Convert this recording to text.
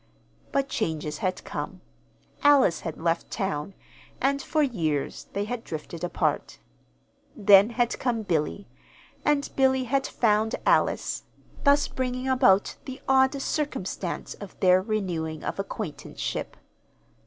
But changes had come. Alice had left town, and for years they had drifted apart. Then had come Billy, and Billy had found Alice, thus bringing about the odd circumstance of their renewing of acquaintanceship.